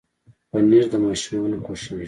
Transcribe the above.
پنېر د ماشومانو خوښېږي.